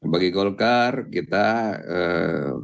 bagi golkar kita akan sangat berharap